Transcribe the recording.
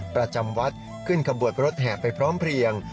ประจำวัดขึ้นขบวนรถแห่ไปพร้อมเพลียง